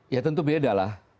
ya tentu beda lah